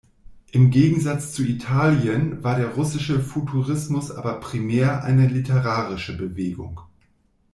Im Gegensatz zu Italien war der russische Futurismus aber primär eine literarische Bewegung.